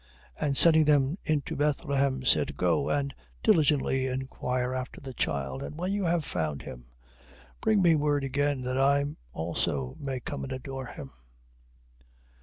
And sending them into Bethlehem, said: Go and diligently inquire after the child, and when you have found him, bring me word again, that I also may come and adore him.